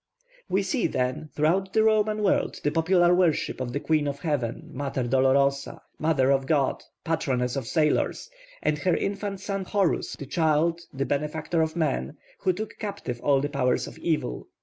We see, then, throughout the Roman world the popular worship of the Queen of Heaven, Mater Dolorosa, Mother of God, patroness of sailors, and her infant son Horus the child, the benefactor of men, who took captive all the powers of evil.